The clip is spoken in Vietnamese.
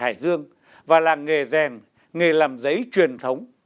hải dương và làng nghề rèn nghề làm giấy truyền thống